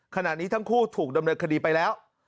ขณะนี้ทั้งคู่ถูกดำเนินคดีไปแล้ว